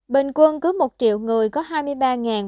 bình quân cứ một triệu ca nhiễm trên một triệu dân